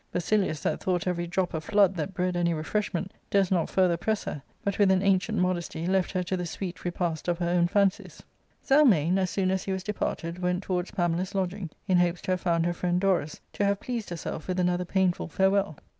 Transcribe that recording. Basilius, that thought every drop a flood that bred any refreshment, durst not further press her, but with an ancient modesty left her to the sweet repast of her own fancies. Zelmane, as soon as he was departed, went towards Pamela's lodging, in hopes to have found her friend Dorus, to have pleased herself with' another painful farewell.